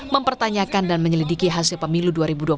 mempertanyakan dan menyelidiki hasil pemilu dua ribu dua puluh